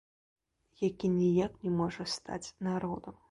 Які ніяк не можа стаць народам.